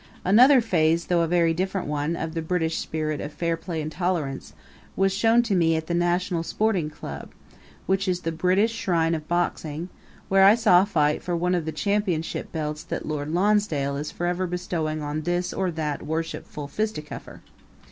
Another phase, though a very different one, of the British spirit of fair play and tolerance, was shown to me at the National Sporting Club, which is the British shrine of boxing, where I saw a fight for one of the championship belts that Lord Lonsdale is forever bestowing on this or that worshipful fisticuffer.